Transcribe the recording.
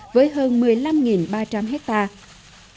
với hơn một mươi năm ba trăm linh hectare